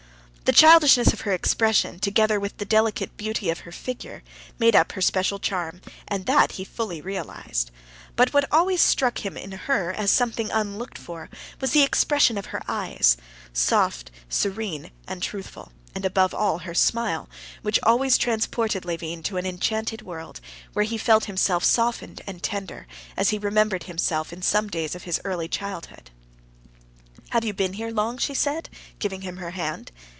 The childishness of her expression, together with the delicate beauty of her figure, made up her special charm, and that he fully realized. But what always struck him in her as something unlooked for, was the expression of her eyes, soft, serene, and truthful, and above all, her smile, which always transported Levin to an enchanted world, where he felt himself softened and tender, as he remembered himself in some days of his early childhood. "Have you been here long?" she said, giving him her hand.